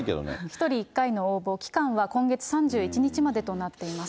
１人１回の応募、期間は今月３１日までとなっています。